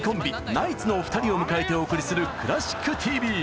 ナイツのお二人を迎えてお送りする「クラシックＴＶ」！